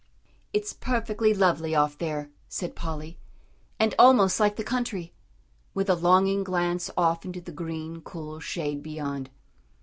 "It's perfectly lovely off there," said Polly, "and almost like the country," with a longing glance off into the green, cool shade beyond.